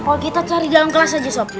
kalau kita cari dalam kelas aja sob